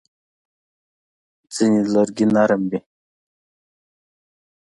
ځینې لرګي نرم وي.